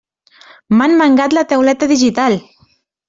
M'han mangat la tauleta digital!